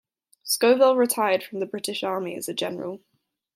Scovell retired from the British Army as a general.